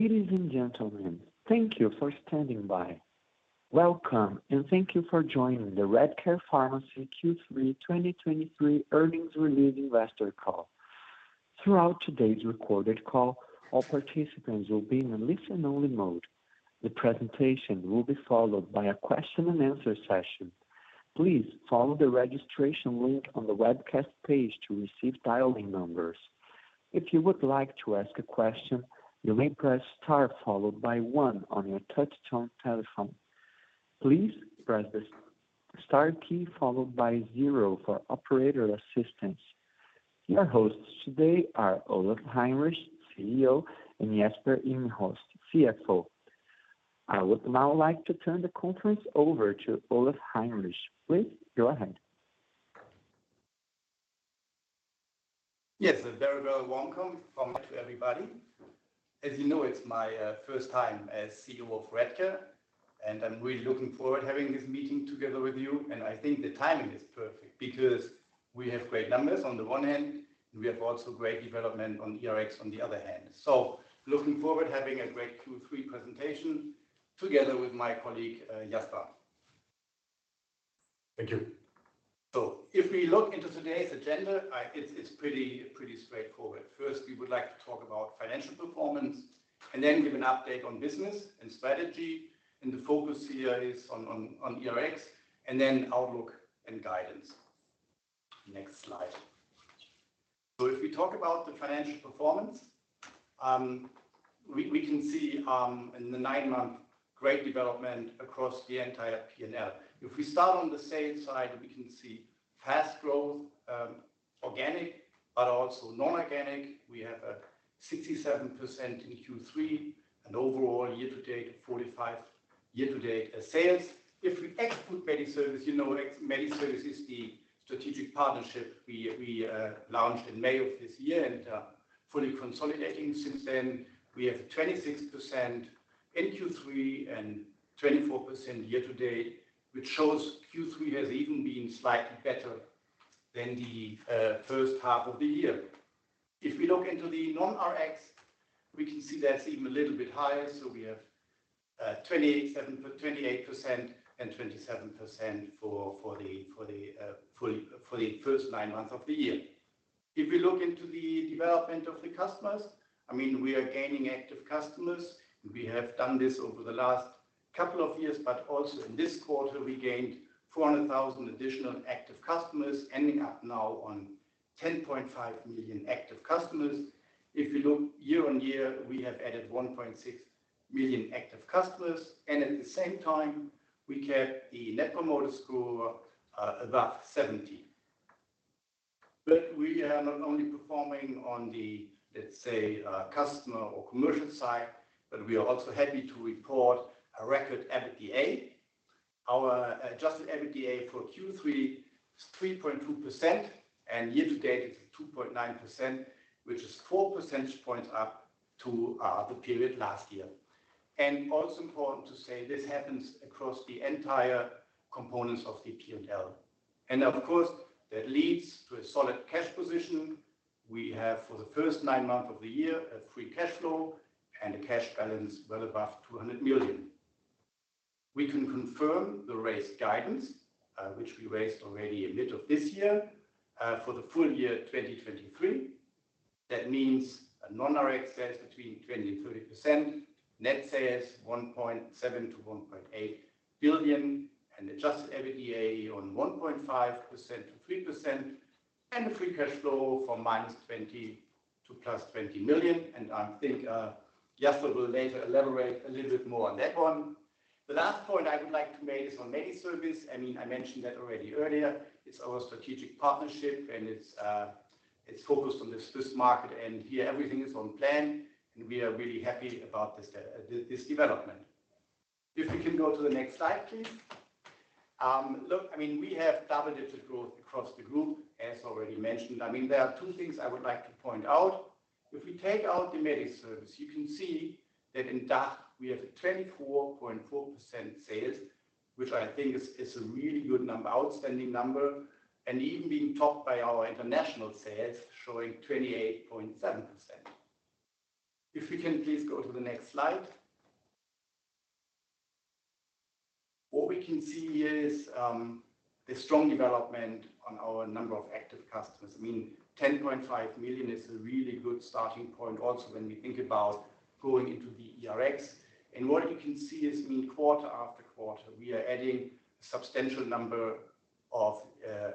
Ladies and gentlemen, thank you for standing by. Welcome, and thank you for joining the Redcare Pharmacy Q3 2023 Earnings Release Investor Call. Throughout today's recorded call, all participants will be in a listen-only mode. The presentation will be followed by a question and answer session. Please follow the registration link on the webcast page to receive dial-in numbers. If you would like to ask a question, you may press star followed by one on your touchtone telephone. Please press the star key followed by zero for operator assistance. Your hosts today are Olaf Heinrich, CEO, and Jasper Eenhorst, CFO. I would now like to turn the conference over to Olaf Heinrich. Please go ahead. Yes, a very warm welcome from me to everybody. As you know, it's my first time as CEO of Redcare, and I'm really looking forward to having this meeting together with you, and I think the timing is perfect because we have great numbers on the one hand, and we have also great development on eRX on the other hand. So looking forward to having a great Q3 presentation together with my colleague, Jasper. Thank you. So if we look into today's agenda, it's pretty straightforward. First, we would like to talk about financial performance, and then give an update on business and strategy, and the focus here is on eRX, and then outlook and guidance. Next slide. So if we talk about the financial performance, we can see in the nine-month great development across the entire P&L. If we start on the sales side, we can see fast growth, organic, but also non-organic. We have a 67% in Q3, and overall year-to-date, 45% year-to-date sales. If we exclude MediService, you know, MediService is the strategic partnership we launched in May of this year and fully consolidating since then. We have 26% in Q3 and 24% year to date, which shows Q3 has even been slightly better than the first half of the year. If we look into the non-Rx, we can see that's even a little bit higher. So we have 28% and 27% for the first nine months of the year. If we look into the development of the customers, I mean, we are gaining active customers. We have done this over the last couple of years, but also in this quarter, we gained 400,000 additional active customers, ending up now on 10.5 million active customers. If you look year on year, we have added 1.6 million active customers, and at the same time, we kept the Net Promoter Score above 70. But we are not only performing on the, let's say, customer or commercial side, but we are also happy to report a record EBITDA. Our adjusted EBITDA for Q3 is 3.2%, and year to date, it's 2.9%, which is four percentage points up to the period last year. And also important to say, this happens across the entire components of the P&L. And of course, that leads to a solid cash position. We have, for the first nine months of the year, a free cash flow and a cash balance well above 200 million. We can confirm the raised guidance, which we raised already in mid of this year, for the full year, 2023. That means non-Rx sales between 20% and 30%, net sales 1.7 billion-1.8 billion, and adjusted EBITDA on 1.5%-3%, and a Free Cash Flow from -20 million to +20 million, and I think, Jasper will later elaborate a little bit more on that one. The last point I would like to make is on MediService. I mean, I mentioned that already earlier. It's our strategic partnership, and it's focused on this market, and here, everything is on plan, and we are really happy about this development. If we can go to the next slide, please. Look, I mean, we have double-digit growth across the group, as already mentioned. I mean, there are two things I would like to point out. If we take out the MediService, you can see that in DACH, we have a 24.4% sales, which I think is a really good number, outstanding number, and even being topped by our international sales, showing 28.7%. If we can please go to the next slide. What we can see here is the strong development on our number of active customers. I mean, 10.5 million is a really good starting point, also, when we think about going into the eRX. And what you can see is, I mean, quarter after quarter, we are adding a substantial number of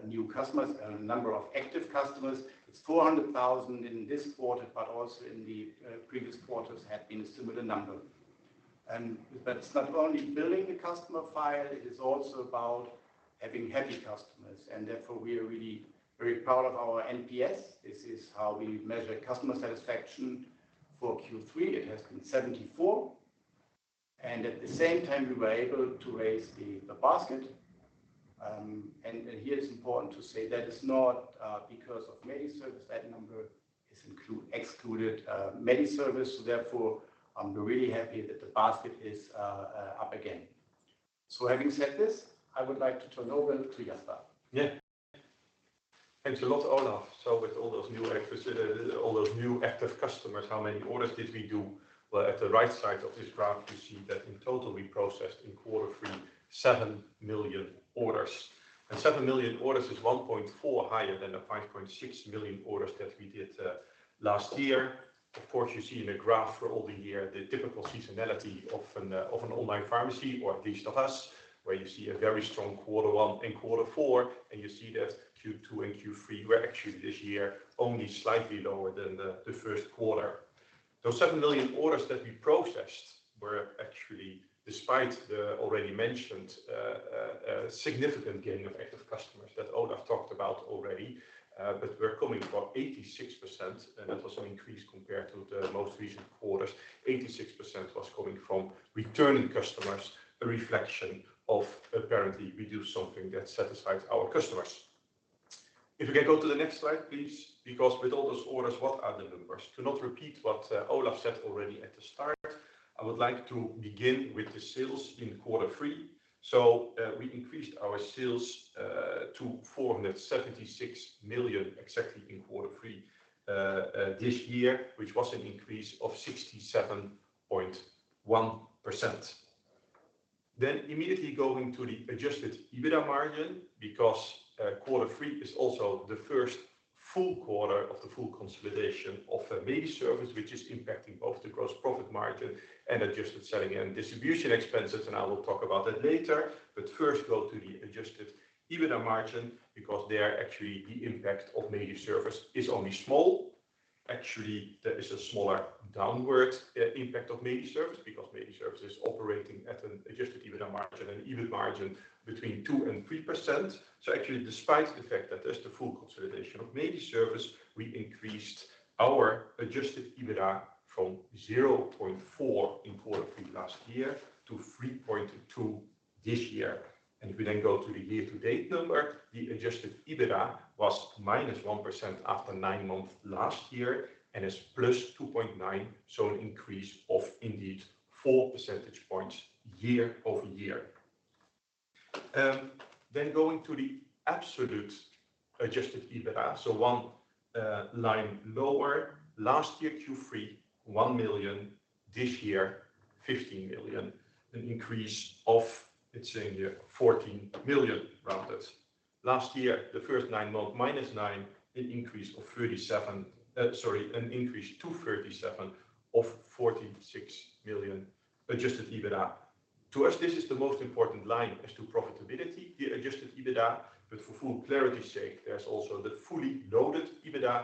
new customers and number of active customers. It's 400,000 in this quarter, but also in the previous quarters have been a similar number. And that's not only building the customer file, it is also about having happy customers, and therefore, we are really very proud of our NPS. This is how we measure customer satisfaction. For Q3, it has been 74, and at the same time, we were able to raise the basket. Here it's important to say that it's not because of MediService. That number is excluded MediService. So therefore, I'm really happy that the basket is up again. So having said this, I would like to turn over to Jasper. Yeah. Thanks a lot, Olaf. So with all those new active, all those new active customers, how many orders did we do? Well, at the right side of this graph, you see that in total, we processed in quarter three, 7 million orders. And 7 million orders is 1.4 higher than the 5.6 million orders that we did last year. Of course, you see in the graph for all the year, the typical seasonality of an of an online pharmacy or at least of us, where you see a very strong quarter one and quarter four, and you see that Q2 and Q3 were actually this year only slightly lower than the first quarter. Those 7 million orders that we processed were actually despite the already mentioned significant gain of active customers that Olaf talked about already. But we're coming from 86%, and that was an increase compared to the most recent quarters. 86% was coming from returning customers, a reflection of apparently we do something that satisfies our customers. If you can go to the next slide, please, because with all those orders, what are the numbers? To not repeat what Olaf said already at the start, I would like to begin with the sales in quarter three. So, we increased our sales to 476 million exactly in quarter three this year, which was an increase of 67.1%. Then immediately going to the adjusted EBITDA margin, because quarter three is also the first full quarter of the full consolidation of MediService, which is impacting both the gross profit margin and adjusted selling and distribution expenses, and I will talk about that later. But first, go to the adjusted EBITDA margin because there actually the impact of MediService is only small. Actually, there is a smaller downward impact of MediService because MediService is operating at an adjusted EBITDA margin and EBIT margin between 2% and 3%. So actually, despite the fact that there's the full consolidation of MediService, we increased our adjusted EBITDA from 0.4 in quarter three last year to 3.2 this year. If we then go to the year-to-date number, the adjusted EBITDA was -1% after nine months last year and is +2.9%, so an increase of indeed 4 percentage points year-over-year. Then going to the absolute adjusted EBITDA, so one line lower. Last year, Q3, 1 million; this year, 15 million, an increase of, it's saying here, 14 million rounded. Last year, the first nine months, -9 million, sorry, an increase to 37 million of 46 million adjusted EBITDA. To us, this is the most important line as to profitability, the adjusted EBITDA. But for full clarity's sake, there's also the fully loaded EBITDA,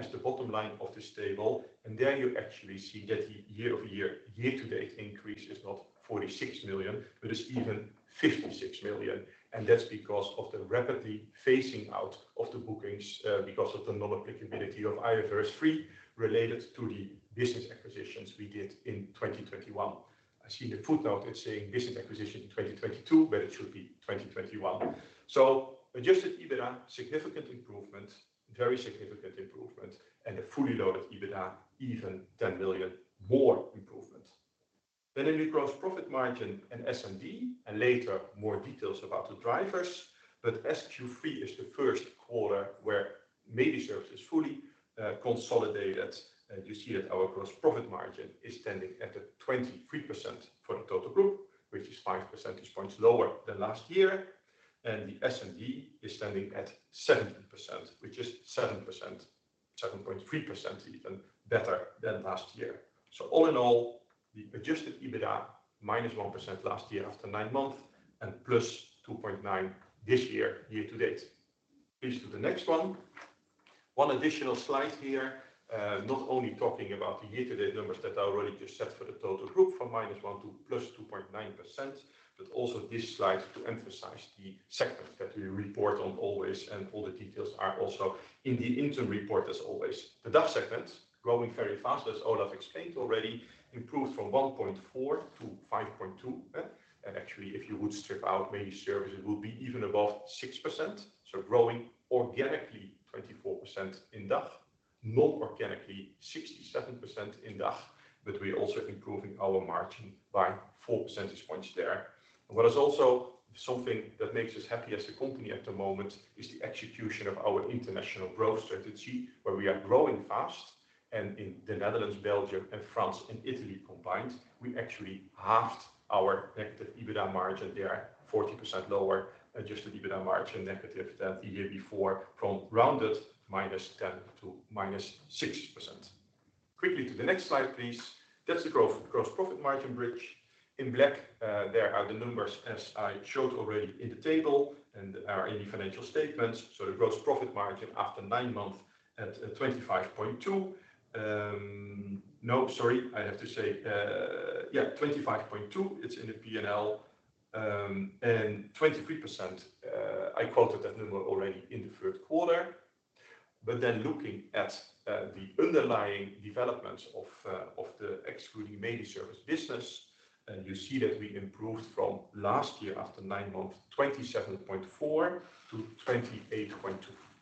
as the bottom line of this table, and there you actually see that the year-over-year, year-to-date increase is not 46 million, but it's even 56 million, and that's because of the rapidly phasing out of the bookings, because of the non-applicability of IFRS 3 related to the business acquisitions we did in 2021. I see the footnote, it's saying business acquisition in 2022, but it should be 2021. So adjusted EBITDA, significant improvement, very significant improvement, and the fully loaded EBITDA, even 10 million more improvement. Then in the gross profit margin and S&D, and later, more details about the drivers, but Q3 is the first quarter where MediService is fully consolidated, and you see that our gross profit margin is standing at 23% for the total group, which is five percentage points lower than last year. And the S&D is standing at 7%, which is 7%, 7.3% even, better than last year. So all in all, the adjusted EBITDA, -1% last year after nine months and +2.9% this year, year to date. Please to the next one. One additional slide here, not only talking about the year-to-date numbers that I already just said for the total group, from -1% to +2.9%, but also this slide to emphasize the segment that we report on always, and all the details are also in the interim report as always. The DACH segment, growing very fast, as Olaf explained already, improved from 1.4 to 5.2. Actually, if you would strip out MediService, it will be even above 6%. Growing organically 24% in DACH, non-organically 67% in DACH, but we are also improving our margin by 4 percentage points there. What is also something that makes us happy as a company at the moment is the execution of our international growth strategy, where we are growing fast, and in the Netherlands, Belgium, and France and Italy combined, we actually halved our negative EBITDA margin there, 40% lower adjusted EBITDA margin, negative than the year before, from rounded -10% to -6%. Quickly to the next slide, please. That's the growth, gross profit margin bridge. In black, there are the numbers as I showed already in the table and are in the financial statements, so the gross profit margin after nine months at 25.2. No, sorry, I have to say, Yeah, 25.2, it's in the P&L, and 23%, I quoted that number already in the third quarter. But then looking at the underlying developments of the excluding MediService business. And you see that we improved from last year after nine months, 27.4 to 28.2.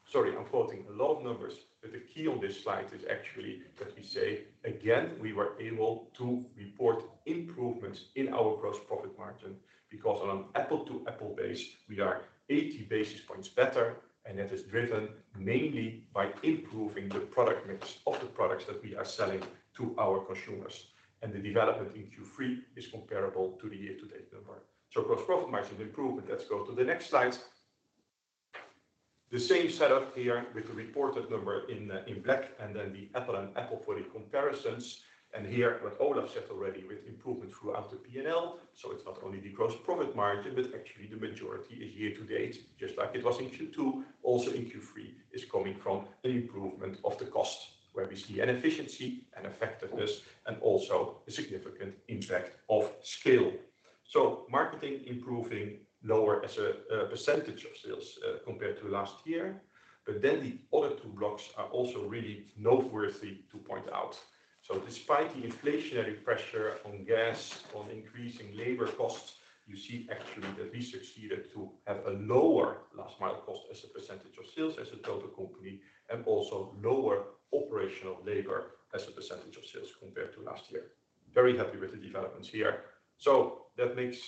Sorry, I'm quoting a lot of numbers, but the key on this slide is actually that we say, again, we were able to report improvements in our gross profit margin because on an apple-to-apple base, we are 80 basis points better, and that is driven mainly by improving the product mix of the products that we are selling to our consumers. And the development in Q3 is comparable to the year-to-date number. So gross profit margin improvement. Let's go to the next slide. The same setup here with the reported number in black and then the apple-on-apple for the comparisons. Here, what Olaf said already, with improvement throughout the P&L, so it's not only the gross profit margin, but actually the majority is year to date, just like it was in Q2. Also in Q3 is coming from an improvement of the cost, where we see an efficiency and effectiveness and also a significant impact of scale. So marketing improving lower as a percentage of sales compared to last year, but then the other two blocks are also really noteworthy to point out. So despite the inflationary pressure on gas, on increasing labor costs, you see actually that we succeeded to have a lower last mile cost as a percentage of sales, as a total company, and also lower operational labor as a percentage of sales compared to last year. Very happy with the developments here. That makes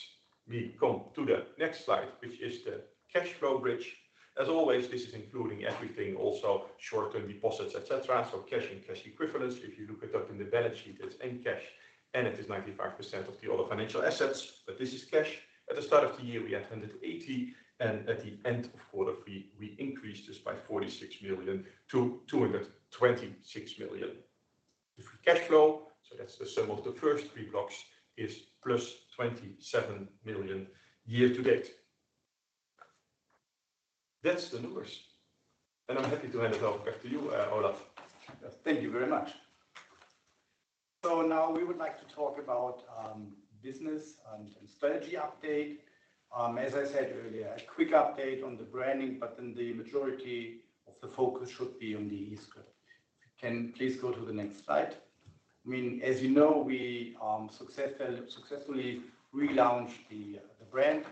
me come to the next slide, which is the cash flow bridge. As always, this is including everything, also short-term deposits, et cetera. Cash and cash equivalents, if you look it up in the balance sheet, it's in cash, and it is 95% of the other financial assets, but this is cash. At the start of the year, we had 180 million, and at the end of quarter three, we increased this by 46 million to 226 million. The free cash flow, so that's the sum of the first three blocks, is +27 million year to date. That's the numbers, and I'm happy to hand it off back to you, Olaf. Thank you very much. So now we would like to talk about business and strategy update. As I said earlier, a quick update on the branding, but then the majority of the focus should be on the e-script. Can you please go to the next slide? I mean, as you know, we successfully relaunched the brand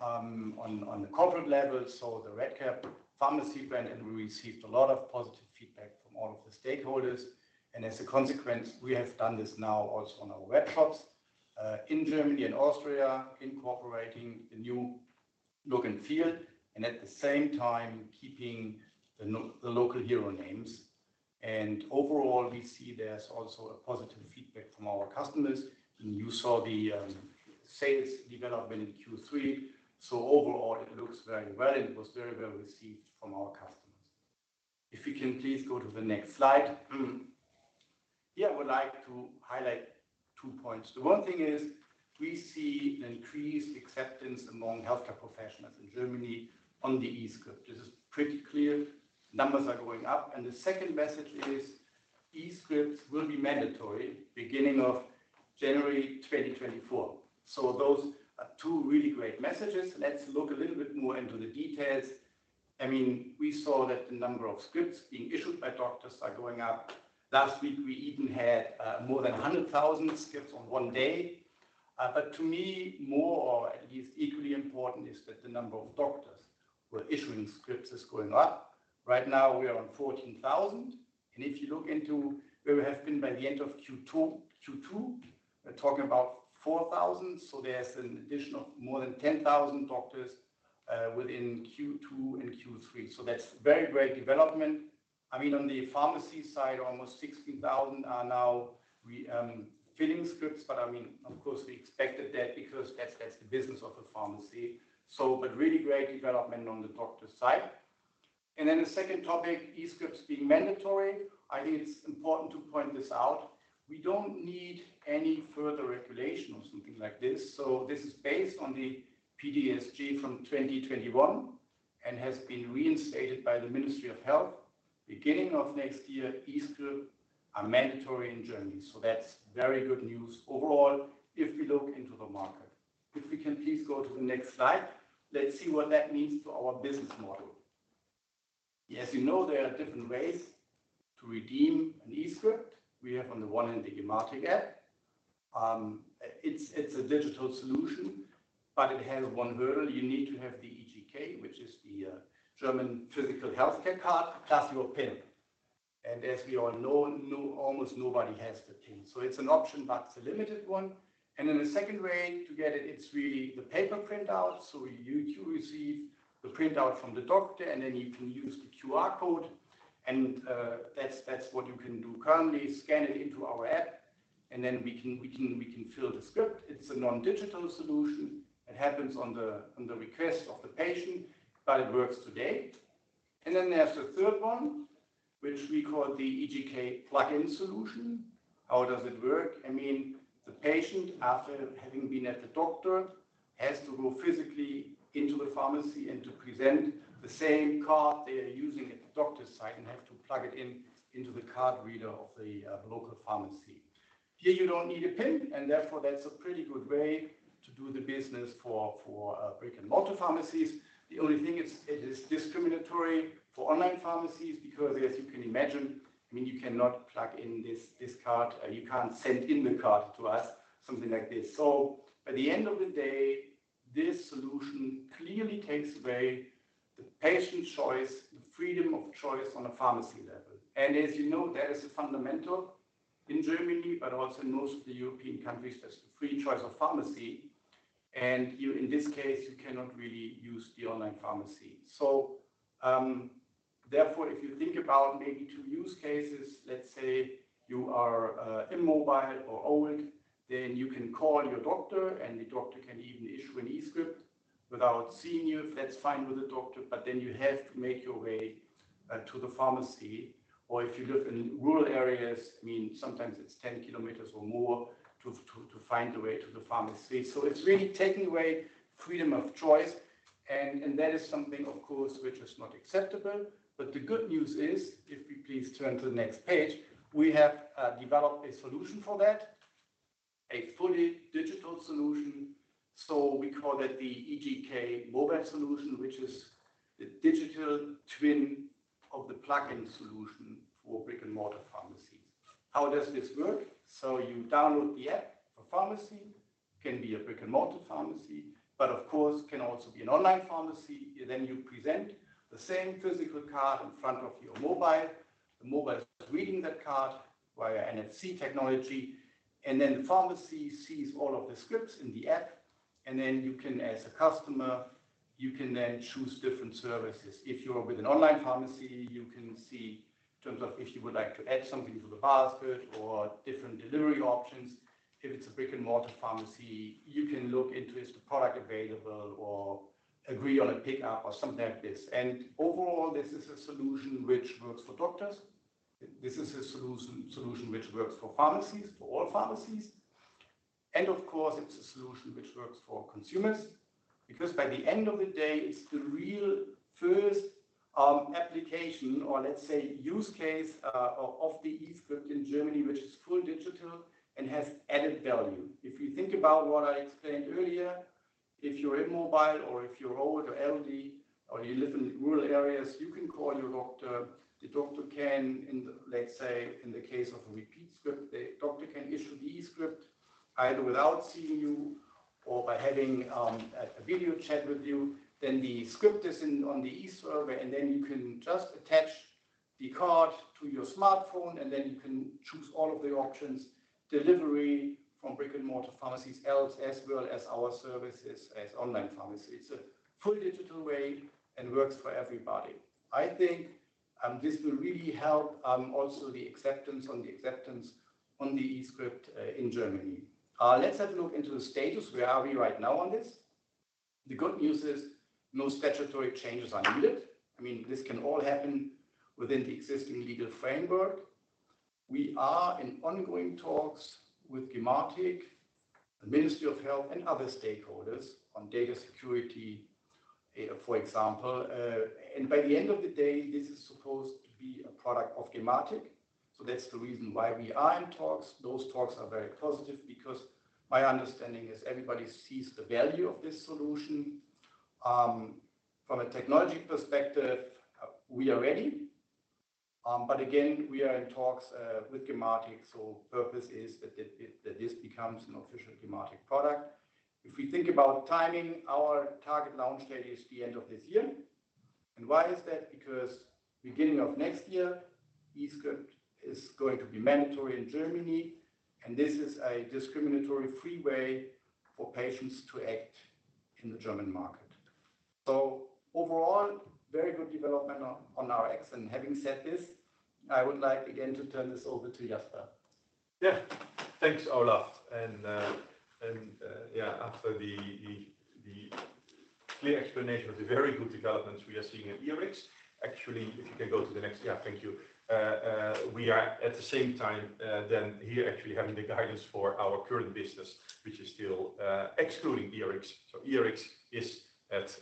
on the corporate level, so the Redcare Pharmacy brand, and we received a lot of positive feedback from all of the stakeholders. And as a consequence, we have done this now also on our web shops in Germany and Austria, incorporating the new look and feel, and at the same time, keeping the local hero names. And overall, we see there's also a positive feedback from our customers. And you saw the sales development in Q3. So overall, it looks very well, and it was very well received from our customers. If we can please go to the next slide. Here, I would like to highlight two points. The one thing is we see an increased acceptance among healthcare professionals in Germany on the e-script. This is pretty clear. Numbers are going up. And the second message is e-scripts will be mandatory beginning of January 2024. So those are two really great messages. Let's look a little bit more into the details. I mean, we saw that the number of scripts being issued by doctors are going up. Last week, we even had more than 100,000 scripts on one day. But to me, more, or at least equally important, is that the number of doctors who are issuing scripts is going up. Right now, we are on 14,000, and if you look into where we have been by the end of Q2, Q2, we're talking about 4,000, so there's an additional more than 10,000 doctors within Q2 and Q3. So that's very great development. I mean, on the pharmacy side, almost 16,000 are now refilling scripts, but I mean, of course, we expected that because that's the business of the pharmacy. So, but really great development on the doctor side. And then the second topic, e-scripts being mandatory. I think it's important to point this out. We don't need any further regulation or something like this. So this is based on the PDSG from 2021 and has been reinstated by the Ministry of Health. Beginning of next year, e-script are mandatory in Germany. So that's very good news overall, if we look into the market. If we can please go to the next slide. Let's see what that means for our business model. As you know, there are different ways to redeem an e-script. We have on the one hand, the Gematik App. It's, it's a digital solution, but it has one hurdle. You need to have the eGK, which is the German physical healthcare card, plus your PIN. And as we all know, almost nobody has the PIN. So it's an option, but it's a limited one. And then the second way to get it, it's really the paper printout. So you receive the printout from the doctor, and then you can use the QR code, and that's what you can do currently, scan it into our app, and then we can fill the script. It's a non-digital solution. It happens on the request of the patient, but it works today. And then there's the third one, which we call the eGK plugin solution. How does it work? I mean, the patient, after having been at the doctor, has to go physically into the pharmacy and to present the same card they are using at the doctor's site and have to plug it in into the card reader of the local pharmacy. Here, you don't need a PIN, and therefore, that's a pretty good way the business for brick-and-mortar pharmacies. The only thing, it's, it is discriminatory for online pharmacies, because as you can imagine, I mean, you cannot plug in this, this card, or you can't send in the card to us, something like this. So at the end of the day, this solution clearly takes away the patient choice, the freedom of choice on a pharmacy level. And as you know, that is a fundamental in Germany, but also in most of the European countries, that's the free choice of pharmacy, and you, in this case, you cannot really use the online pharmacy. So, therefore, if you think about maybe two use cases, let's say you are immobile or old, then you can call your doctor, and the doctor can even issue an e-script without seeing you, if that's fine with the doctor. But then you have to make your way to the pharmacy, or if you live in rural areas, I mean, sometimes it's 10 km or more to find the way to the pharmacy. So it's really taking away freedom of choice, and that is something, of course, which is not acceptable. But the good news is, if we please turn to the next page, we have developed a solution for that, a fully digital solution. So we call that the eGK mobile solution, which is the digital twin of the plugin solution for brick-and-mortar pharmacies. How does this work? So you download the app for pharmacy, can be a brick-and-mortar pharmacy, but of course, can also be an online pharmacy. Then you present the same physical card in front of your mobile. The mobile is reading that card via NFC technology, and then the pharmacy sees all of the scripts in the app, and then you can, as a customer, you can then choose different services. If you're with an online pharmacy, you can see in terms of if you would like to add something to the basket or different delivery options. If it's a brick-and-mortar pharmacy, you can look into, is the product available or agree on a pickup or something like this. And overall, this is a solution which works for doctors. This is a solution which works for pharmacies, for all pharmacies, and of course, it's a solution which works for consumers. Because by the end of the day, it's the real first application, or let's say, use case, of the e-script in Germany, which is full digital and has added value. If you think about what I explained earlier, if you're immobile or if you're old or elderly or you live in rural areas, you can call your doctor. The doctor can, in the, let's say, in the case of a repeat script, the doctor can issue the e-script either without seeing you or by having a video chat with you. Then the script is in, on the e-server, and then you can just attach the card to your smartphone, and then you can choose all of the options, delivery from brick-and-mortar pharmacies, else as well as our services as online pharmacy. It's a fully digital way and works for everybody. I think, this will really help, also the acceptance on the acceptance on the e-script, in Germany. Let's have a look into the status. Where are we right now on this? The good news is no statutory changes are needed. I mean, this can all happen within the existing legal framework. We are in ongoing talks with Gematik, the Ministry of Health, and other stakeholders on data security, for example. By the end of the day, this is supposed to be a product of Gematik, so that's the reason why we are in talks. Those talks are very positive because my understanding is everybody sees the value of this solution. From a technology perspective, we are ready, but again, we are in talks with Gematik, so purpose is that it, that this becomes an official Gematik product. If we think about timing, our target launch date is the end of this year. Why is that? Because, beginning next year, e-script is going to be mandatory in Germany, and this is a discrimination-free way for patients to act in the German market. So overall, very good development on our eRX. And having said this, I would like again to turn this over to Jasper. Yeah. Thanks, Olaf. And yeah, after the clear explanation of the very good developments we are seeing in eRx, actually, if you can go to the next... Yeah. Thank you. We are at the same time then here actually having the guidance for our current business, which is still excluding eRx. So eRx is at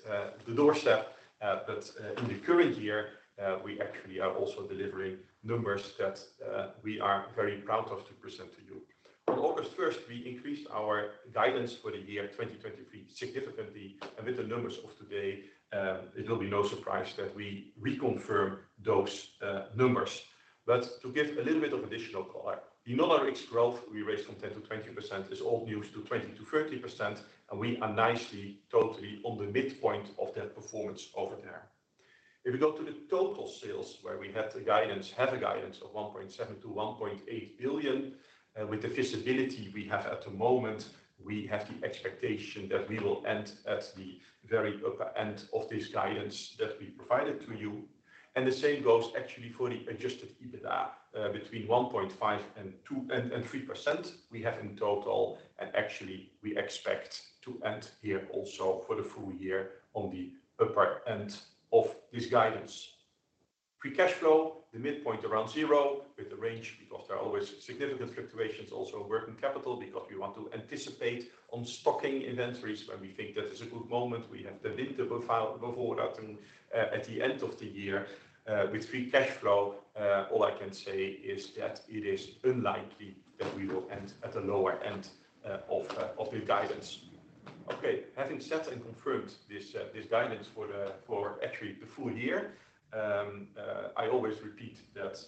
the doorstep, but in the current year, we actually are also delivering numbers that we are very proud of to present to you. On August first, we increased our guidance for the year 2023 significantly, and with the numbers of today, it will be no surprise that we reconfirm those numbers. But to give a little bit of additional color, the non-Rx growth we raised from 10%-20% is all used to 20%-30%, and we are nicely, totally on the midpoint of that performance over there. If we go to the total sales, where we had the guidance, have a guidance of 1.7 billion-1.8 billion, with the visibility we have at the moment, we have the expectation that we will end at the very upper end of this guidance that we provided to you. And the same goes actually for the adjusted EBITDA, between 1.5%-2.3% we have in total, and actually, we expect to end here also for the full year on the upper end of this guidance. Free Cash Flow, the midpoint around zero, with a range, because there are always significant fluctuations also working capital, because we want to anticipate on stocking inventories when we think that is a good moment. We have the winter before us, and at the end of the year, with free cash flow, all I can say is that it is unlikely that we will end at the lower end of the guidance. Okay, having set and confirmed this, this guidance for actually the full year, I always repeat that,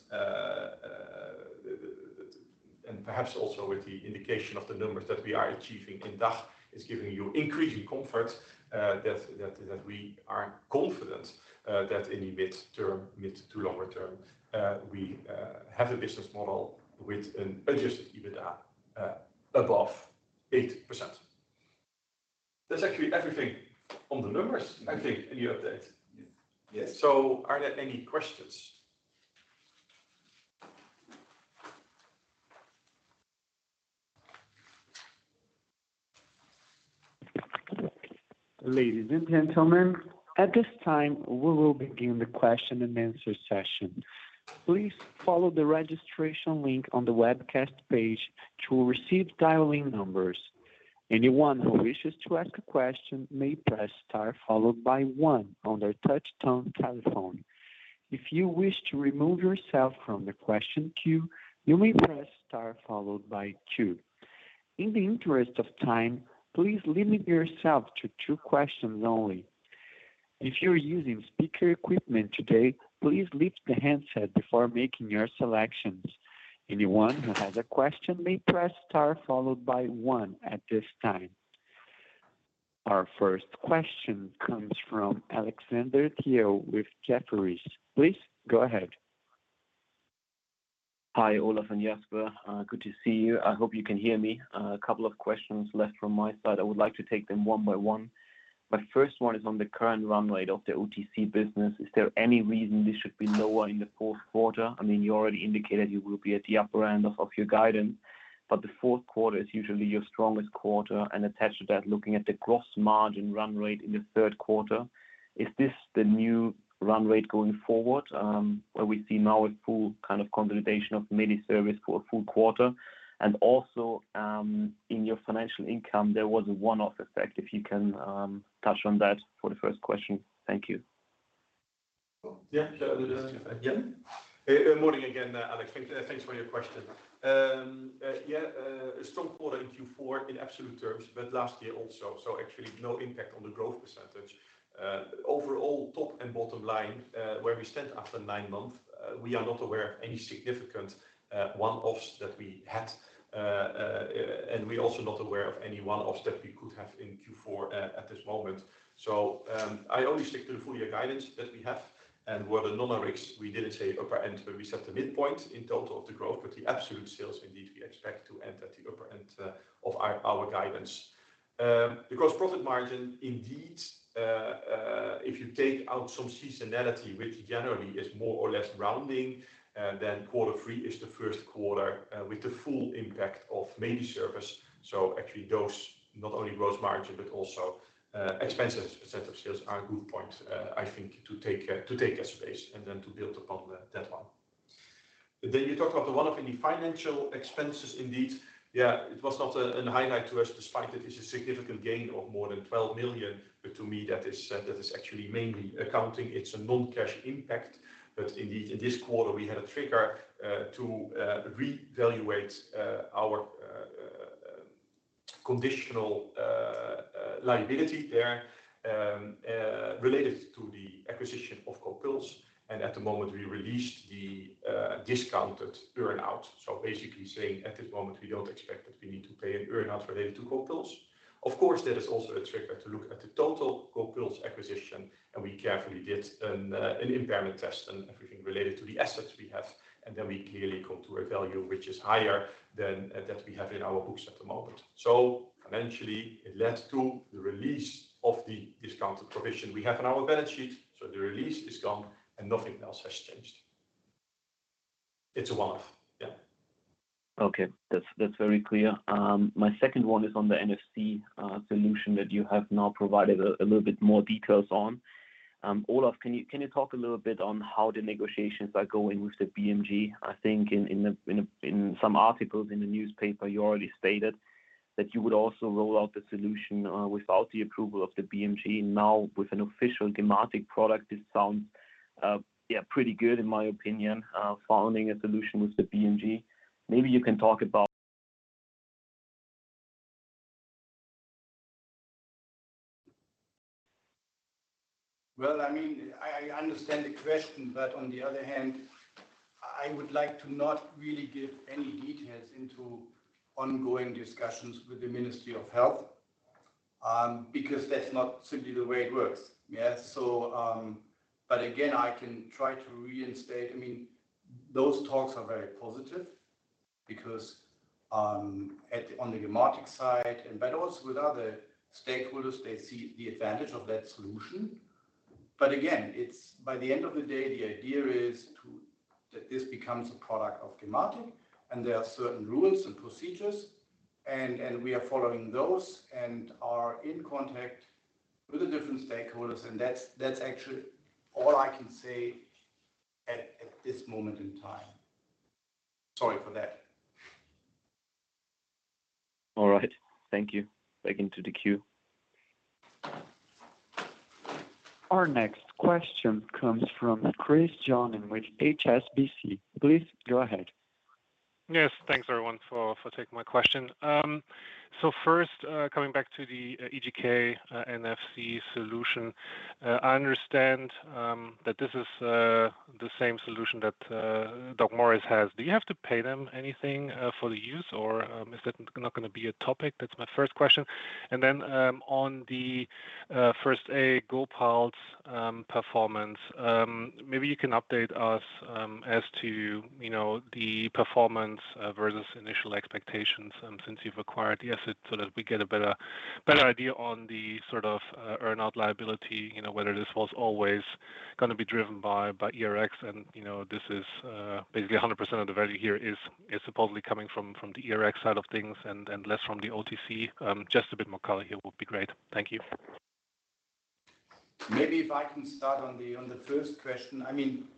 and perhaps also with the indication of the numbers that we are achieving in DACH, is giving you increasing comfort that we are confident that in the mid-term, mid- to longer term, we have a business model with an adjusted EBITDA above 8%. That's actually everything on the numbers, I think, in the update. Yes. Are there any questions? Ladies and gentlemen, at this time, we will begin the question and answer session. Please follow the registration link on the webcast page to receive dial-in numbers. Anyone who wishes to ask a question may press star followed by one on their touchtone telephone. If you wish to remove yourself from the question queue, you may press star followed by two. In the interest of time, please limit yourself to two questions only. If you're using speaker equipment today, please lift the handset before making your selections. Anyone who has a question may press star followed by One at this time. Our first question comes from Alexander Thiel with Jefferies. Please go ahead. Hi, Olaf and Jasper. Good to see you. I hope you can hear me. A couple of questions left from my side. I would like to take them one by one. My first one is on the current run rate of the OTC business. Is there any reason this should be lower in the fourth quarter? I mean, you already indicated you will be at the upper end of your guidance, but the fourth quarter is usually your strongest quarter. And attached to that, looking at the gross margin run rate in the third quarter, is this the new run rate going forward, where we see now a full kind of consolidation of MediService for a full quarter? And also, in your financial income, there was a one-off effect, if you can touch on that for the first question. Thank you. Yeah, sure. Morning again, Alex. Thanks, thanks for your question. Yeah, a strong quarter in Q4 in absolute terms, but last year also, so actually no impact on the growth percentage. Overall, top and bottom line, where we stand after nine months, we are not aware of any significant one-offs that we had. And we're also not aware of any one-offs that we could have in Q4 at this moment. So, I only stick to the full year guidance that we have and where the non-Rx, we didn't say upper end, but we set the midpoint in total of the growth, but the absolute sales indeed, we expect to end at the upper end of our guidance. The gross profit margin, indeed, if you take out some seasonality, which generally is more or less rounding, then quarter three is the first quarter with the full impact of MediService. So actually those, not only gross margin, but also expenses percent of sales are a good point, I think to take a space and then to build upon that, that one. Then you talk about the one-off in the financial expenses. Indeed, yeah, it was not a highlight to us, despite that it's a significant gain of more than 12 million, but to me, that is actually mainly accounting. It's a non-cash impact, but indeed, in this quarter, we had a trigger to revalue our conditional liability there, related to the acquisition of GoPuls. At the moment, we released the discounted earn-out. So basically saying at this moment, we don't expect that we need to pay an earn-out related to GoPuls. Of course, that is also a trigger to look at the total GoPuls acquisition, and we carefully did an impairment test and everything related to the assets we have, and then we clearly come to a value which is higher than that we have in our books at the moment. So financially, it led to the release of the discounted provision we have on our balance sheet, so the release is gone and nothing else has changed. It's a one-off. Yeah. Okay, that's very clear. My second one is on the NFC solution that you have now provided a little bit more details on. Olaf, can you talk a little bit on how the negotiations are going with the BMG? I think in some articles in the newspaper, you already stated that you would also roll out the solution without the approval of the BMG. Now, with an official Gematik product, it sounds yeah, pretty good in my opinion, finding a solution with the BMG. Maybe you can talk about- Well, I mean, I, I understand the question, but on the other hand, I would like to not really give any details into ongoing discussions with the Ministry of Health, because that's not simply the way it works. But again, I can try to reinstate, I mean, those talks are very positive because, on the Gematik side and but also with other stakeholders, they see the advantage of that solution. But again, it's by the end of the day, the idea is to, that this becomes a product of Gematik, and there are certain rules and procedures, and we are following those and are in contact with the different stakeholders, and that's actually all I can say at this moment in time. Sorry for that. All right. Thank you. Back into the queue. Our next question comes from Chris Johnen, and with HSBC. Please go ahead. Yes. Thanks, everyone, for taking my question. So first, coming back to the eGK NFC solution, I understand that this is the same solution that DocMorris has. Do you have to pay them anything for the use, or is that not going to be a topic? That's my first question. And then, on the GoPuls performance, maybe you can update us as to, you know, the performance versus initial expectations since you've acquired the asset, so that we get a better idea on the sort of earn-out liability, you know, whether this was always gonna be driven by eRX. You know, this is basically 100% of the value here is supposedly coming from the eRX side of things and less from the OTC. Just a bit more color here would be great. Thank you. Maybe if I can start on the first question. I mean,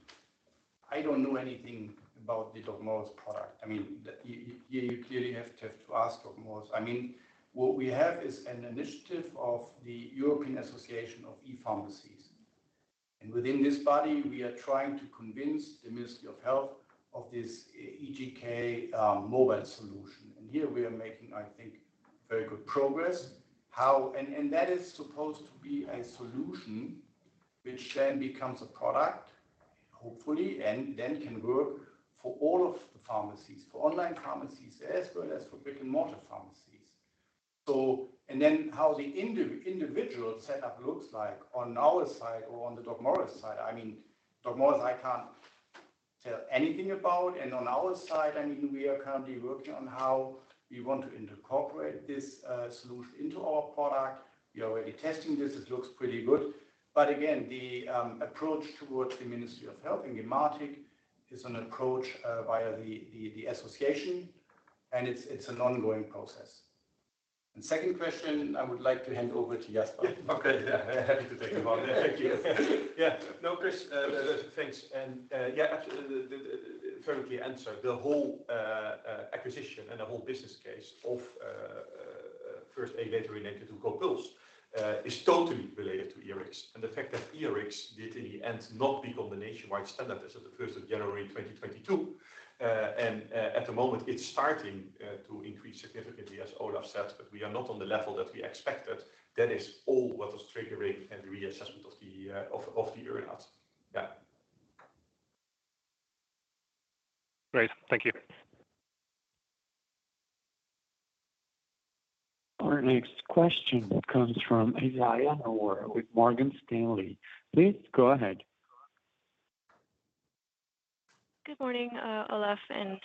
I don't know anything about the DocMorris product. I mean, that you clearly have to ask DocMorris. I mean, what we have is an initiative of the European Association of E-Pharmacies, and within this body, we are trying to convince the Ministry of Health of this eGK mobile solution. And here we are making, I think, very good progress. And that is supposed to be a solution which then becomes a product, hopefully, and then can work for all of the pharmacies, for online pharmacies as well as for brick-and-mortar pharmacies. So... And then how the individual setup looks like on our side or on the DocMorris side, I mean, DocMorris, I can't tell anything about. And on our side, I mean, we are currently working on how we want to incorporate this solution into our product. We are already testing this. It looks pretty good, but again, the approach towards the Ministry of Health and Gematik is an approach via the association, and it's an ongoing process. And second question, I would like to hand over to Jasper. Okay, yeah. Happy to take them on. Thank you. Yeah. No, Chris, thanks. And, yeah, actually, the thoroughly answered. The whole acquisition and the whole business case of first inventory related to GoPuls is totally related to eRX and the fact that eRX did in the end not become the nationwide standard as of the first of January 2022. And, at the moment, it's starting to increase significantly, as Olaf said, but we are not on the level that we expected. That is all what was triggering every assessment of the of the earn-out. Yeah. Great. Thank you. Our next question comes from Aisyah Noor with Morgan Stanley. Please go ahead. Good morning, Olaf and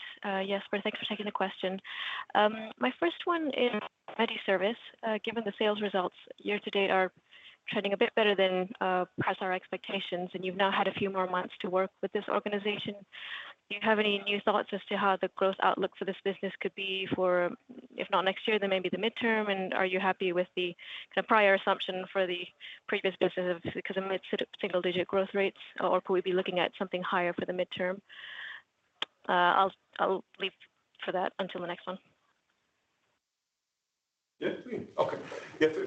Jasper. Thanks for taking the question. My first one is MediService. Given the sales results year to date are trending a bit better than perhaps our expectations, and you've now had a few more months to work with this organization, do you have any new thoughts as to how the growth outlook for this business could be for, if not next year, then maybe the midterm? And are you happy with the kind of prior assumption for the previous business of, kind of, mid-single-digit growth rates, or could we be looking at something higher for the midterm? I'll leave that until the next one. Yeah. Okay. Yeah, so,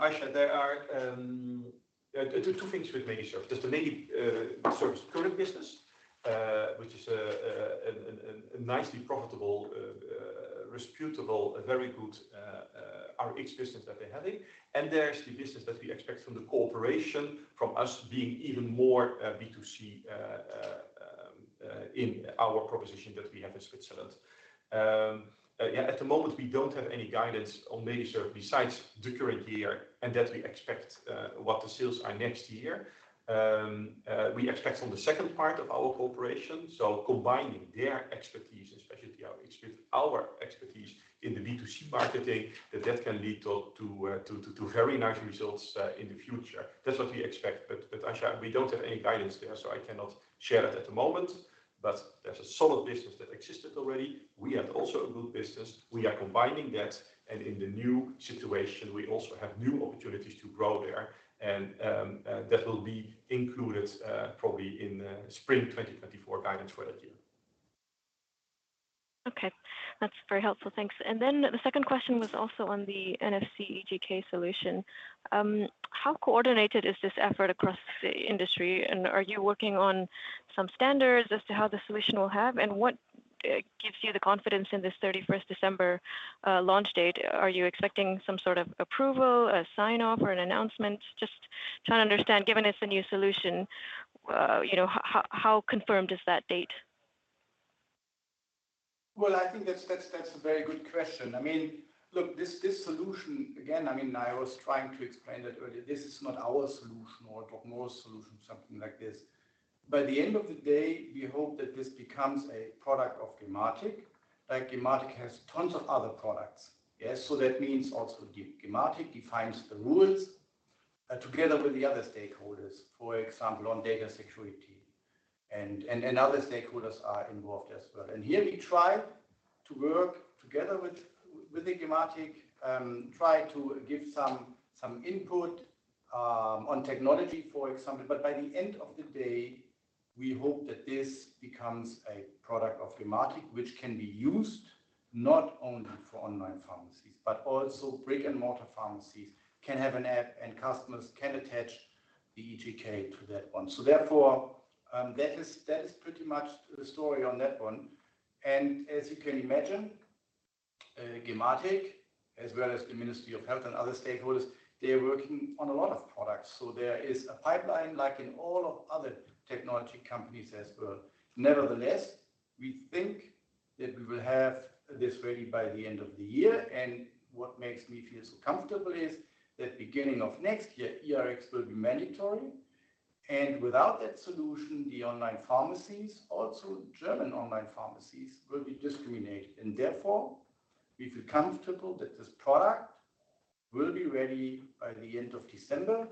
Aisyah, there are two things with MediService. Just the MediService current business, which is a nicely profitable, reputable, a very good eRX business that they're having, and there's the business that we expect from the cooperation from us being even more B2C in our proposition that we have in Switzerland. Yeah, at the moment, we don't have any guidance on MediService besides the current year, and that we expect what the sales are next year. We expect on the second part of our cooperation, so combining their expertise, especially the eRX, with our expertise in the B2C marketing, that can lead to very nice results in the future. That's what we expect, Aisyah, we don't have any guidance there, so I cannot share that at the moment. But there's a solid business that existed already. We have also a good business. We are combining that, and in the new situation, we also have new opportunities to grow there. That will be included, probably in the spring 2024 guidance for that year. Okay. That's very helpful. Thanks. And then the second question was also on the NFC eGK solution. How coordinated is this effort across the industry? And are you working on some standards as to how the solution will have? And what gives you the confidence in this 31st December launch date? Are you expecting some sort of approval, a sign-off, or an announcement? Just trying to understand, given it's a new solution, you know, how, how confirmed is that date? Well, I think that's a very good question. I mean, look, this solution, again, I mean, I was trying to explain that earlier. This is not our solution or DocMorris solution, something like this. By the end of the day, we hope that this becomes a product of Gematik, like Gematik has tons of other products. Yes, so that means also Gematik defines the rules, together with the other stakeholders, for example, on data security, and other stakeholders are involved as well. And here we try to work together with the Gematik, try to give some input, on technology, for example, but by the end of the day. We hope that this becomes a product of Gematik, which can be used not only for online pharmacies, but also brick-and-mortar pharmacies can have an app, and customers can attach the eGK to that one. So therefore, that is, that is pretty much the story on that one. And as you can imagine, Gematik, as well as the Ministry of Health and other stakeholders, they are working on a lot of products. So there is a pipeline, like in all of other technology companies as well. Nevertheless, we think that we will have this ready by the end of the year, and what makes me feel so comfortable is that beginning of next year, eRX will be mandatory, and without that solution, the online pharmacies, also German online pharmacies, will be discriminated. And therefore, we feel comfortable that this product will be ready by the end of December.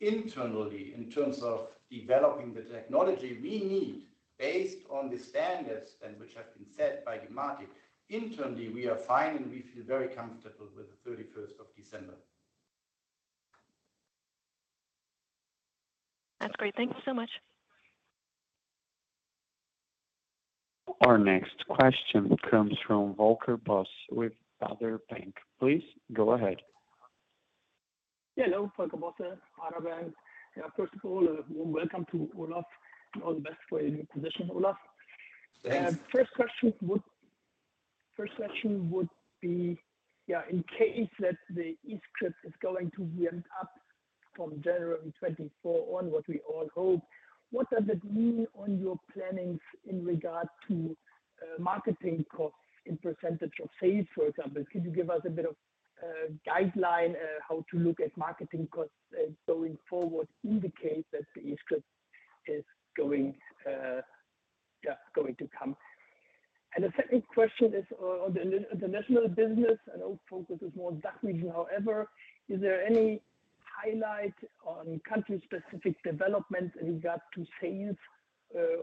Internally, in terms of developing the technology we need, based on the standards and which have been set by Gematik, internally, we are fine, and we feel very comfortable with the 31st of December. That's great. Thank you so much. Our next question comes from Volker Bosse with Baader Bank. Please go ahead. Hello, Volker Bosse, Baader Bank. Yeah, first of all, welcome to Olaf. All the best for your new position, Olaf. Thanks. First question would be, yeah, in case that the e-script is going to be ramped up from January 2024 on, what we all hope, what does it mean on your plannings in regard to, marketing costs in percentage of sales, for example? Could you give us a bit of, guideline, how to look at marketing costs, going forward in the case that the e-script is going, yeah, going to come? And the second question is on the international business. I know the focus is more on DACH region. However, is there any highlight on country-specific development in regard to sales,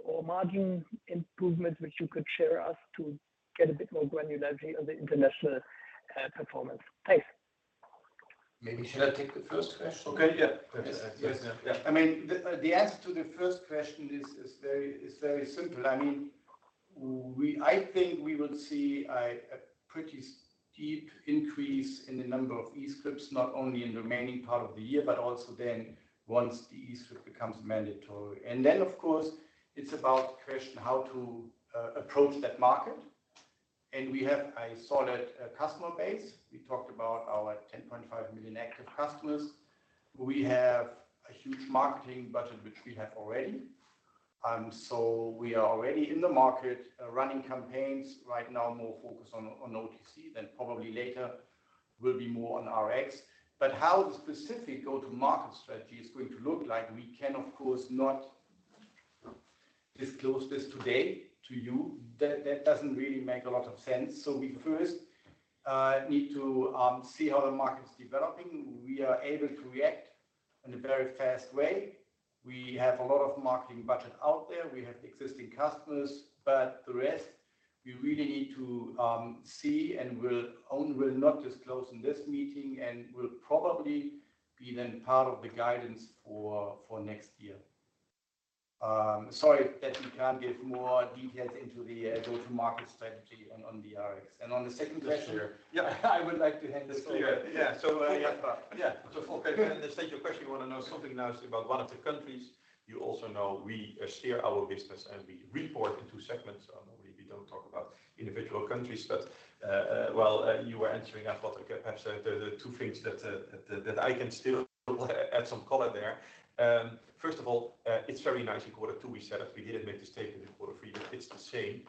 or margin improvement, which you could share us to get a bit more granularity on the international, performance? Thanks. Maybe should I take the first question? Okay. Yeah. Yes. Yeah. I mean, the answer to the first question is very simple. I mean, we, I think we will see a pretty steep increase in the number of e-scripts, not only in the remaining part of the year, but also then once the e-script becomes mandatory. And then, of course, it's about the question how to approach that market. And we have a solid customer base. We talked about our 10.5 million active customers. We have a huge marketing budget, which we have already. So we are already in the market, running campaigns right now, more focused on OTC, then probably later will be more on eRx. But how the specific go-to-market strategy is going to look like, we can, of course, not disclose this today to you. That, that doesn't really make a lot of sense. So we first need to see how the market is developing. We are able to react in a very fast way. We have a lot of marketing budget out there. We have existing customers, but the rest we really need to see, and we'll only will not disclose in this meeting and will probably be then part of the guidance for next year. Sorry that we can't give more details into the go-to-market strategy on the eRx. And on the second question. Yeah. I would like to hand this to you. Yeah. So, yeah. Yeah. So to state your question, you want to know something nice about one of the countries. You also know we steer our business, and we report in two segments. We don't talk about individual countries, but while you were answering, I thought, okay, perhaps there are two things that that I can still add some color there. First of all, it's very nice in quarter two. We said if we didn't make this statement in quarter three, that it's the same.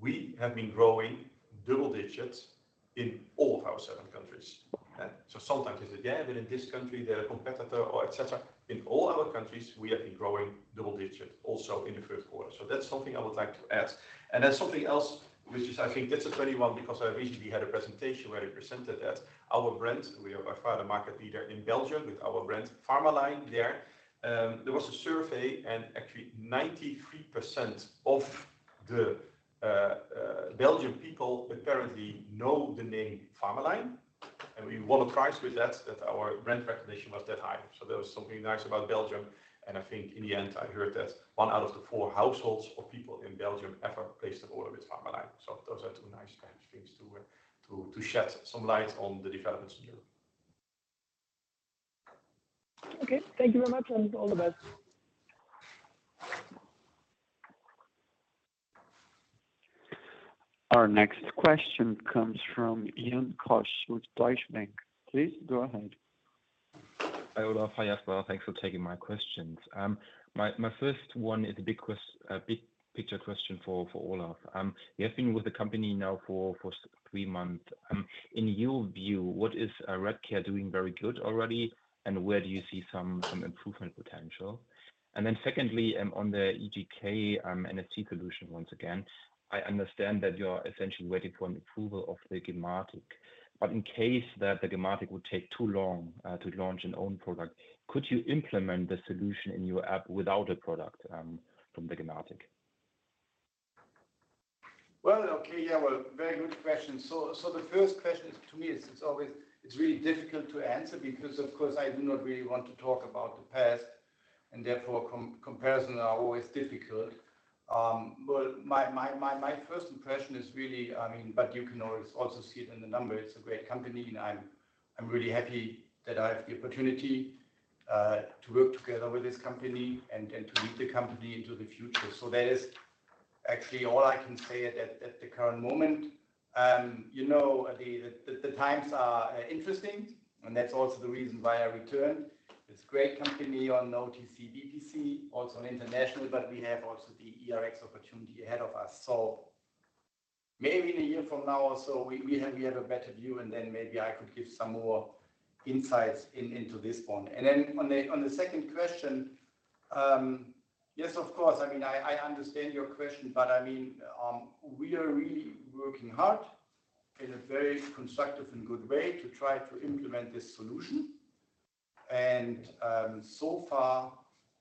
We have been growing double digits in all of our seven countries. So sometimes you say, "Yeah, but in this country, there are competitor or et cetera." In all our countries, we have been growing double digits also in the first quarter. So that's something I would like to add. And then something else, which is I think that's a funny one because I recently had a presentation where I presented that our brand, we are by far the market leader in Belgium with our brand Farmaline there. There was a survey, and actually 93% of the Belgian people apparently know the name Farmaline, and we won a prize with that, that our brand recognition was that high. So that was something nice about Belgium, and I think in the end, I heard that one out of four households or people in Belgium ever placed an order with Farmaline. So those are two nice things to shed some light on the developments in Europe. Okay. Thank you very much, and all the best. Our next question comes from Jan Koch with Deutsche Bank. Please go ahead. Hi, Olaf. Hi, Jasper. Thanks for taking my questions. My first one is a big-picture question for Olaf. In your view, what is Redcare doing very good already, and where do you see some improvement potential? And then secondly, on the eGK, NFC solution, once again, I understand that you're essentially waiting for an approval of the Gematik, but in case that the Gematik would take too long to launch an own product, could you implement the solution in your app without a product from the Gematik? Well, okay. Yeah, well, very good question. So the first question is, to me, it's always, it's really difficult to answer because, of course, I do not really want to talk about the past, and therefore, comparisons are always difficult. But my first impression is really, I mean, but you can always also see it in the numbers. It's a great company, and I'm really happy that I have the opportunity to work together with this company and to lead the company into the future. So that is actually all I can say at the current moment. You know, the times are interesting, and that's also the reason why I returned. It's a great company on OTC, DTC, also on international, but we have also the eRX opportunity ahead of us. So maybe in a year from now or so, we have a better view, and then maybe I could give some more insights into this one. And then on the second question, yes, of course. I mean, I understand your question, but, I mean, we are really working hard in a very constructive and good way to try to implement this solution. And so far,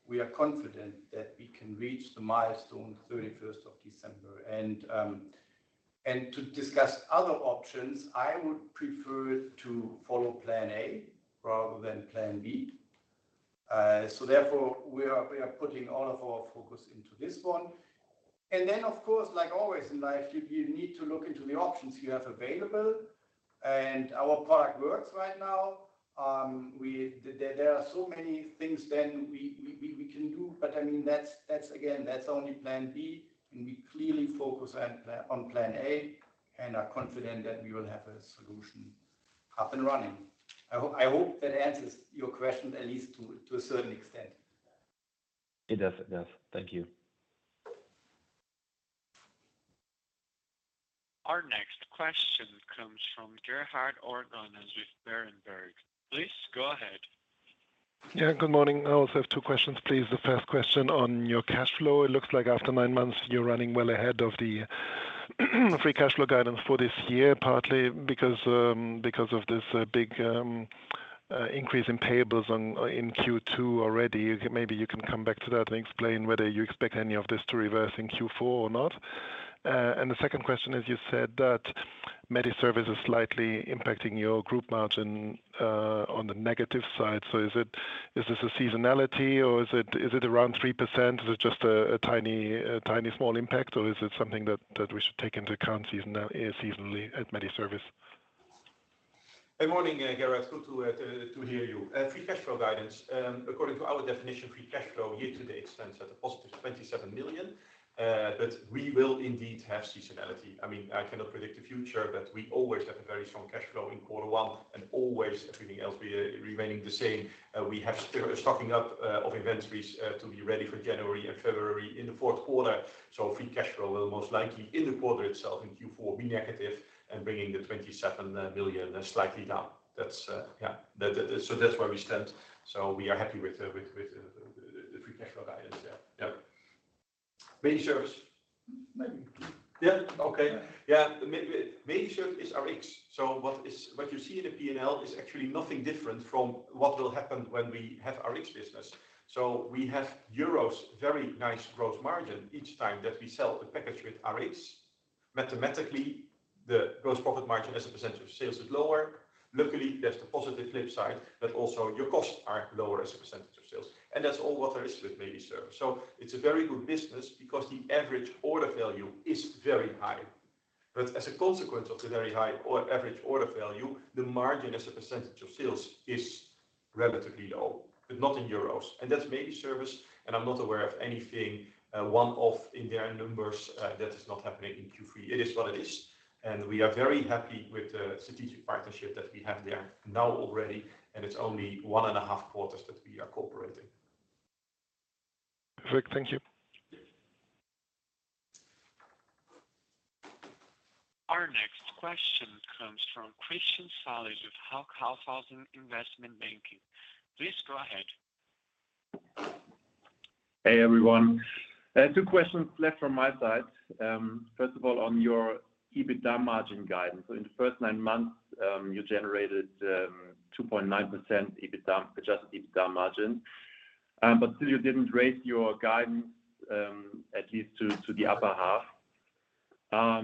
we are confident that we can reach the milestone, 31st of December. And to discuss other options, I would prefer to follow plan A rather than plan B. So therefore, we are putting all of our focus into this one. And then, of course, like always in life, you need to look into the options you have available, and our product works right now. There are so many things that we can do, but, I mean, that's again only plan B, and we clearly focus on plan A and are confident that we will have a solution up and running. I hope that answers your question, at least to a certain extent. It does. It does. Thank you. Our next question comes from Gerhard Orgonas with Berenberg. Please go ahead. Yeah, good morning. I also have two questions, please. The first question on your cash flow. It looks like after nine months, you're running well ahead of the free cash flow guidance for this year, partly because of this big increase in payables in Q2 already. Maybe you can come back to that and explain whether you expect any of this to reverse in Q4 or not. And the second question is, you said that MediService is slightly impacting your group margin on the negative side. So is this a seasonality or is it around 3%? Is it just a tiny small impact, or is it something that we should take into account seasonally at MediService? Good morning, Gerhard. Good to hear you. Free cash flow guidance. According to our definition, free cash flow year to date stands at a positive 27 million. But we will indeed have seasonality. I mean, I cannot predict the future, but we always have a very strong cash flow in quarter one and always everything else remaining the same. We have still stocking up of inventories to be ready for January and February in the fourth quarter. So free cash flow will most likely in the quarter itself, in Q4, be negative and bringing the 27 million slightly down. That's, yeah. That, that... So that's where we stand. So we are happy with the free cash flow guidance. Yeah. Yep. MediService? Maybe. Yeah. Okay. Yeah. Yeah. MediService is our Rx, so what you see in the P&L is actually nothing different from what will happen when we have our Rx business. So we have euros, very nice gross margin each time that we sell the package with our Rx. Mathematically, the gross profit margin as a percentage of sales is lower. Luckily, there's the positive flip side, but also your costs are lower as a percentage of sales, and that's all what there is with MediService. So it's a very good business because the average order value is very high. But as a consequence of the very high or average order value, the margin as a percentage of sales is relatively low, but not in euros. And that's MediService, and I'm not aware of anything one-off in their numbers that is not happening in Q3. It is what it is, and we are very happy with the strategic partnership that we have there now already, and it's only 1.5 quarters that we are cooperating. Perfect. Thank you. Yes. Our next question comes from Christian Salis with Hauck Aufhäuser Investment Banking. Please go ahead. Hey, everyone. Two questions left from my side. First of all, on your EBITDA margin guidance. So in the first nine months, you generated 2.9% EBITDA, adjusted EBITDA margin, but still you didn't raise your guidance, at least to the upper half.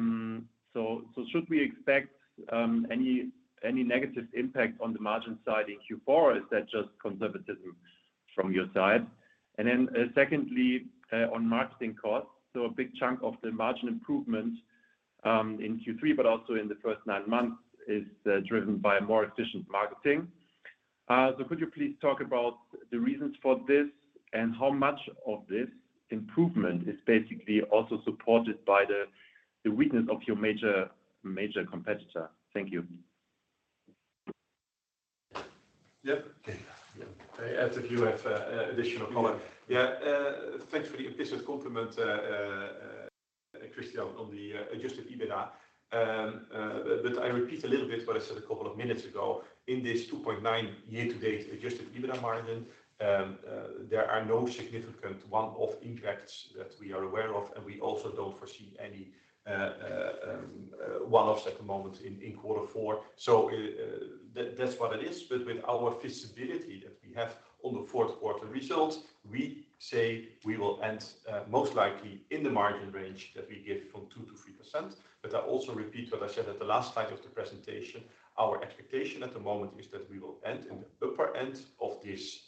So should we expect any negative impact on the margin side in Q4, or is that just conservatism from your side? And then, secondly, on marketing costs, so a big chunk of the margin improvement in Q3, but also in the first nine months, is driven by more efficient marketing. So could you please talk about the reasons for this, and how much of this improvement is basically also supported by the weakness of your major competitor? Thank you. Yep. Okay, yeah. As if you have a additional comment. Yeah, thankfully, a pleasant compliment, Christian, on the adjusted EBITDA. But I repeat a little bit what I said a couple of minutes ago. In this 2.9% year-to-date adjusted EBITDA margin, there are no significant one-off impacts that we are aware of, and we also don't foresee any one-offs at the moment in quarter four. So, that, that's what it is. But with our visibility that we have on the fourth quarter results, we say we will end most likely in the margin range that we give from 2%-3%. But I also repeat what I said at the last slide of the presentation, our expectation at the moment is that we will end in the upper end of this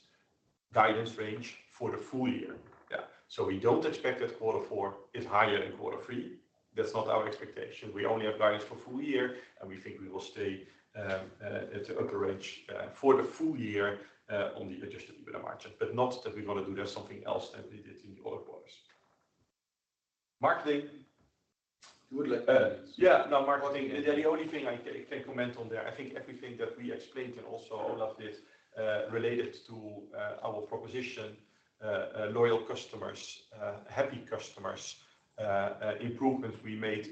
guidance range for the full year. Yeah. So we don't expect that quarter four is higher than quarter three. That's not our expectation. We only have guidance for full year, and we think we will stay at the upper range for the full year on the adjusted EBITDA margin, but not that we want to do there something else than we did in the other quarters. Marketing? You would like to- Yeah. No, marketing. The only thing I can comment on there, I think everything that we explained and also all of this related to our proposition, loyal customers, happy customers, improvements we made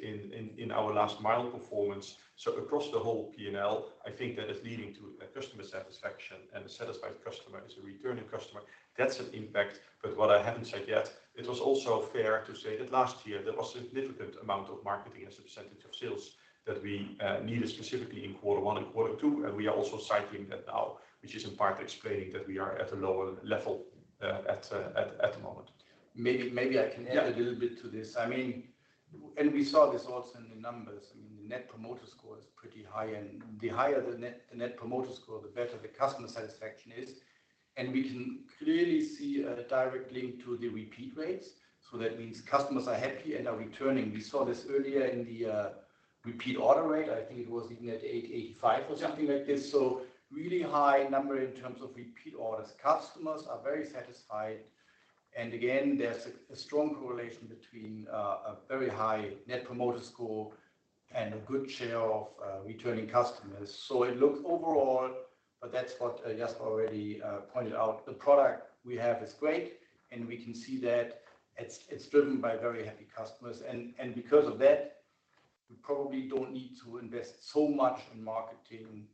in our last mile performance. So across the whole P&L, I think that is leading to a customer satisfaction, and a satisfied customer is a returning customer. That's an impact. But what I haven't said yet, it was also fair to say that last year, there was a significant amount of marketing as a percentage of sales that we needed specifically in quarter one and quarter two, and we are also cycling that now, which is in part explaining that we are at a lower level at the moment. Maybe, maybe I can add- Yeah... a little bit to this. I mean, and we saw this also in the numbers. I mean, the Net Promoter Score is pretty high, and the higher the Net Promoter Score, the better the customer satisfaction is. And we can clearly see a direct link to the repeat rates, so that means customers are happy and are returning. We saw this earlier in the repeat order rate. I think it was even at 80, 85 or something like this. So really high number in terms of repeat orders. Customers are very satisfied, and again, there's a strong correlation between a very high Net Promoter Score and a good share of returning customers. So it looks overall, but that's what Jasper already pointed out. The product we have is great, and we can see that it's driven by very happy customers, and because of that, we probably don't need to invest so much in marketing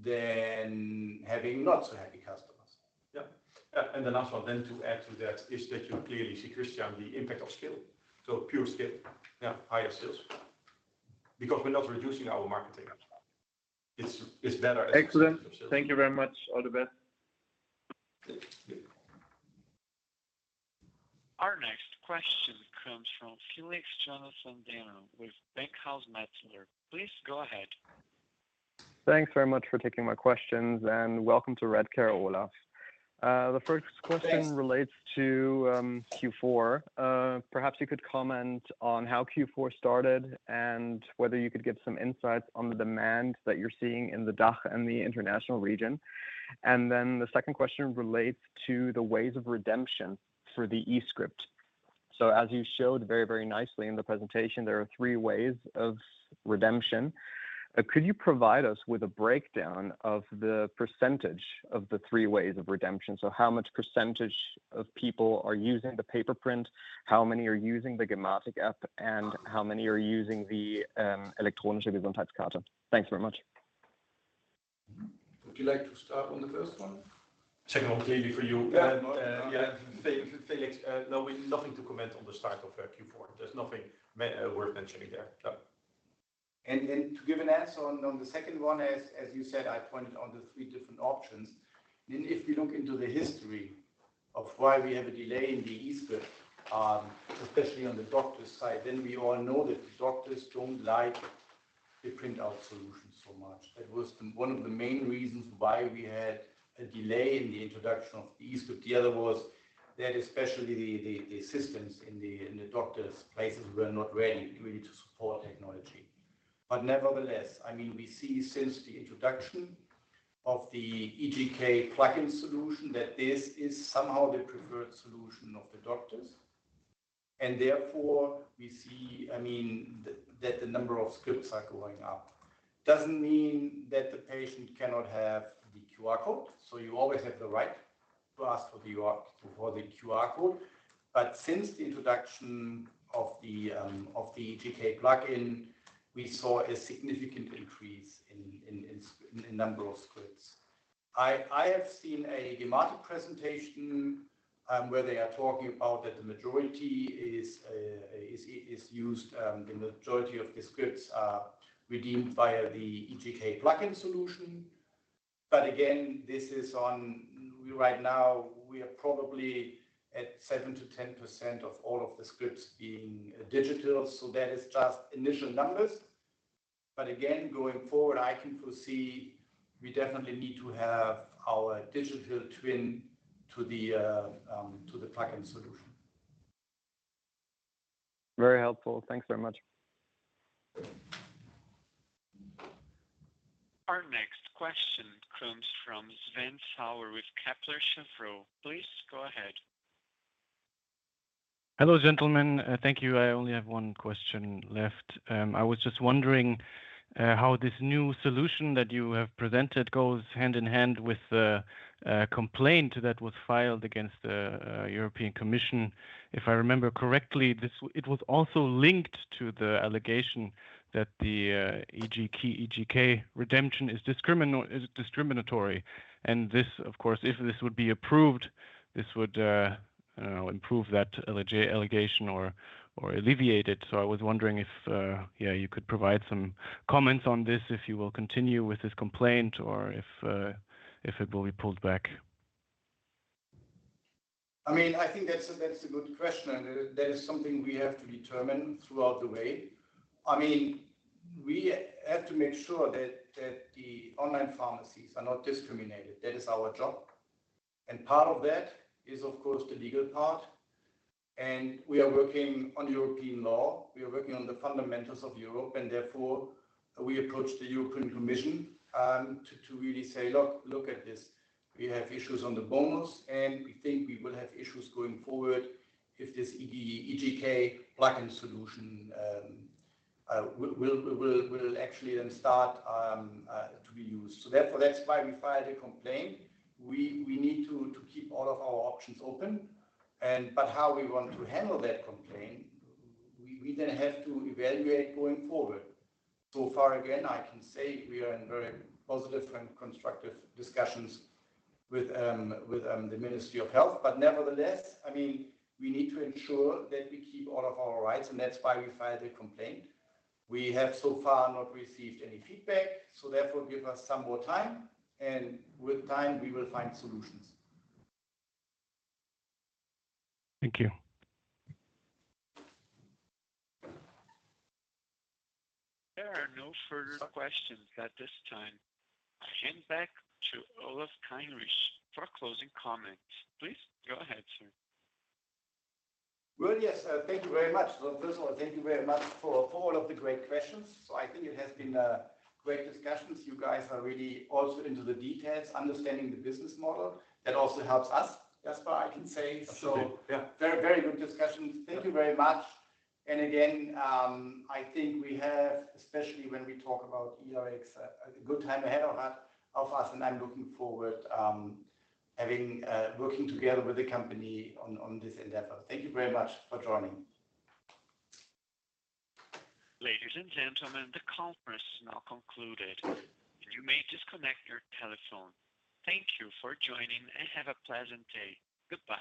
than having not so happy customers. Yeah. And the last one then to add to that, is that you clearly see, Christian, the impact of scale, so pure scale. Yeah, higher sales. Because we're not reducing our marketing. It's, it's better. Excellent. Thank you very much, Olaf. Our next question comes from Felix Jonathan Dennl with Bankhaus Metzler. Please go ahead. Thanks very much for taking my questions, and welcome to Redcare, Olaf. The first question- Thanks... relates to Q4. Perhaps you could comment on how Q4 started and whether you could give some insights on the demand that you're seeing in the DACH and the international region. And then the second question relates to the ways of redemption for the e-script. So as you showed very, very nicely in the presentation, there are three ways of redemption. Could you provide us with a breakdown of the percentage of the three ways of redemption? So how much percentage of people are using the paper print, how many are using the Gematik App, and how many are using the Elektronische Gesundheitskarte? Thanks very much. Would you like to start on the first one? Second one clearly for you. Yeah. Yeah, Felix, no, we've nothing to comment on the start of Q4. There's nothing worth mentioning there. No. To give an answer on the second one, as you said, I pointed on the three different options. Then if we look into the history of why we have a delay in the e-script, especially on the doctor's side, then we all know that the doctors don't like the printout solution so much. That was one of the main reasons why we had a delay in the introduction of e-script. The other was that especially the assistants in the doctors' places were not ready really to support technology. But nevertheless, I mean, we see since the introduction of the eGK plugin solution, that this is somehow the preferred solution of the doctors, and therefore, we see, I mean, that the number of scripts are going up. Doesn't mean that the patient cannot have the QR code, so you always have the right to ask for the QR—for the QR code. But since the introduction of the eGK plugin, we saw a significant increase in number of scripts. I have seen a Gematik presentation, where they are talking about that the majority is used, the majority of the scripts are redeemed via the eGK plugin solution. But again, this is on... Right now, we are probably at 7%-10% of all of the scripts being digital, so that is just initial numbers. But again, going forward, I can foresee we definitely need to have our digital twin to the plugin solution. Very helpful. Thanks very much. Our next question comes from Sven Sauer with Kepler Cheuvreux. Please go ahead. Hello, gentlemen. Thank you. I only have one question left. I was just wondering, how this new solution that you have presented goes hand in hand with the, complaint that was filed against the, European Commission. If I remember correctly, this-- it was also linked to the allegation that the, eGK redemption is discriminatory, and this, of course, if this would be approved, this would, I don't know, improve that allegation or, or alleviate it. So I was wondering if, yeah, you could provide some comments on this, if you will continue with this complaint or if, if it will be pulled back? I mean, I think that's a good question, and that is something we have to determine throughout the way. I mean, we have to make sure that the online pharmacies are not discriminated. That is our job, and part of that is, of course, the legal part, and we are working on European law. We are working on the fundamentals of Europe, and therefore, we approach the European Commission to really say, "Look at this. We have issues on the bonus, and we think we will have issues going forward if this eGK plugin solution will actually then start to be used." So therefore, that's why we filed a complaint. We need to keep all of our options open and but how we want to handle that complaint, we then have to evaluate going forward. So far, again, I can say we are in very positive and constructive discussions with the Ministry of Health. But nevertheless, I mean, we need to ensure that we keep all of our rights, and that's why we filed a complaint. We have so far not received any feedback, so therefore, give us some more time, and with time, we will find solutions. Thank you. There are no further questions at this time. I hand back to Olaf Heinrich for closing comments. Please go ahead, sir. Well, yes, thank you very much. Well, first of all, thank you very much for all of the great questions. So I think it has been a great discussion. You guys are really also into the details, understanding the business model. That also helps us, Jasper, I can say. Absolutely, yeah. So very, very good discussions. Yeah. Thank you very much. And again, I think we have, especially when we talk about eRX, a good time ahead of us, and I'm looking forward, having, working together with the company on this endeavor. Thank you very much for joining. Ladies and gentlemen, the conference is now concluded. You may disconnect your telephone. Thank you for joining, and have a pleasant day. Goodbye.